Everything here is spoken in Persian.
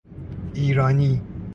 ایرانی